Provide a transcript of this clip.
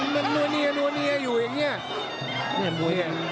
มันนัวเนียนัวเนียอยู่อย่างนี้